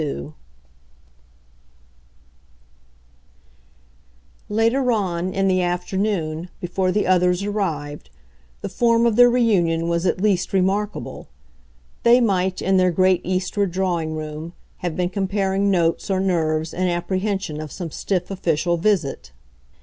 XLII Later on, in the afternoon, before the others arrived, the form of their reunion was at least remarkable: they might, in their great eastward drawing room, have been comparing notes or nerves in apprehension of some stiff official visit.